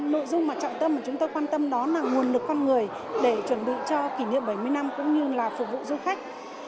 nội dung mà trọng tâm mà chúng tôi quan tâm đó là nguồn lực con người để chuẩn bị cho kỷ niệm bảy mươi năm cũng như là phục vụ du khách